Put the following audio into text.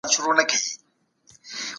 پخوانۍ پېښې ډېرې دردونکي وې.